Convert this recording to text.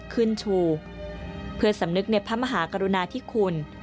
ขึ้นชูเพื่อสำนึกในพระมหากรุณาธิคุณ